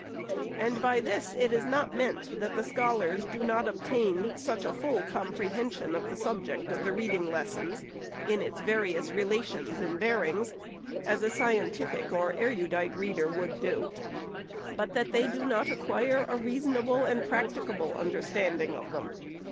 And by this it is not meant that the scholars do not obtain such a full comprehension of the subject of the reading lessons, in its various relations and bearings, as a scientific or erudite reader would do, but that they do not acquire a reason able and practicable understanding of them.